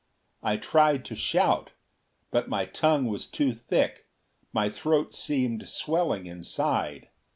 I tried to shout, but my tongue was too thick; my throat seemed swelling inside.